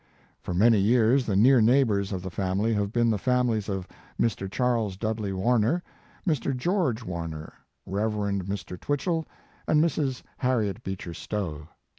For many years the near neighbors of the family have been the families of Mr. Charles Dudley Warner, Mr. George Warner, Rev. Mr. Twitchell and Mrs. Harriet Eeecher Stowe.